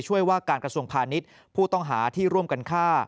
ว่าการกระทรวงพาณิชย์ผู้ต้องหาที่ร่วมกันฆ่า